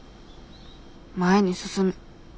前に進む。